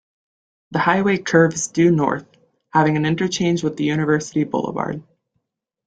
The highway curves due north, having an interchange with University Boulevard.